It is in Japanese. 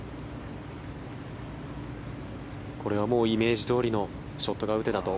これはイメージどおりのショットが打てたと。